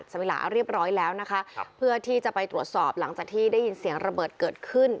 สวิลาเรียบร้อยแล้วนะคะครับเพื่อที่จะไปตรวจสอบหลังจากที่ได้ยินเสียงระเบิดเกิดขึ้น